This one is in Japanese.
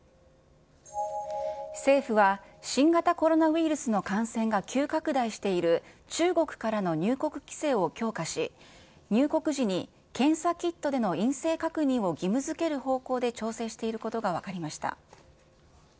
政府は、新型コロナウイルスの感染が急拡大している中国からの入国規制を強化し、入国時に検査キットでの陰性確認を義務づける方向で調整していることが分かりました。